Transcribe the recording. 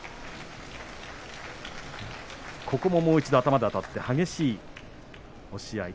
もう一度、頭であたって激しい押し合い